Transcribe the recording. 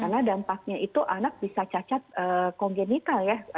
karena dampaknya itu anak bisa cacat kongenital ya